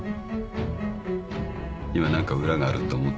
今「何か裏がある」って思った？